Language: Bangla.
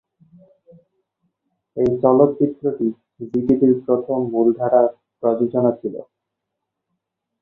এই চলচ্চিত্রটি জি টিভির প্রথম মূলধারার প্রযোজনা ছিল।